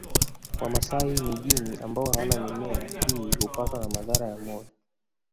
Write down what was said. Wamasai mijini ambao hawana mimea hii hupatwa na maradhi ya moyo